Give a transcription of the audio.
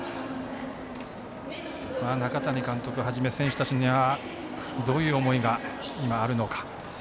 中谷監督はじめ選手たちにはどういう思いが今、あるのか。